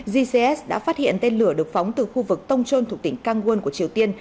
gcs đã phát hiện tên lửa được phóng từ khu vực tông trôn thủ tỉnh cang nguồn của triều tiên